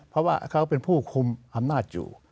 เพราะว่าเขาเป็นผู้คุมอำนาจอยู่